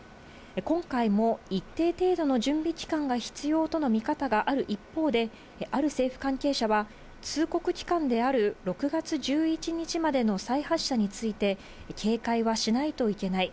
今回も一定程度の準備期間が必要との見方がある一方で、ある政府関係者は、通告期間である６月１１日までの再発射について、警戒はしないといけない。